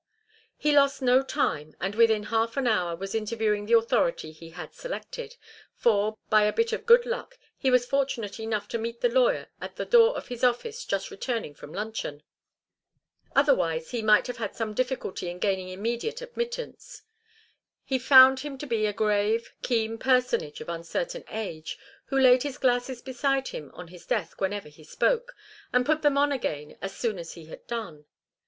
He lost no time, and within half an hour was interviewing the authority he had selected, for, by a bit of good luck, he was fortunate enough to meet the lawyer at the door of his office, just returning from luncheon. Otherwise he might have had some difficulty in gaining immediate admittance. He found him to be a grave, keen personage of uncertain age, who laid his glasses beside him on his desk whenever he spoke, and put them on again as soon as he had done.